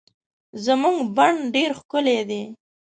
زمونږ بڼ ډير ښکلي دي